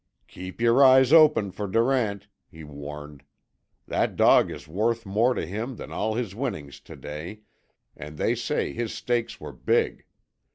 "Keep your eyes open for Durant," he warned. "That dog is worth more to him than all his winnings to day, and they say his stakes were big.